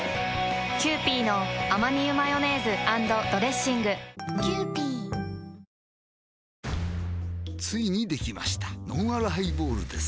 キユーピーのアマニ油マヨネーズ＆ドレッシングついにできましたのんあるハイボールです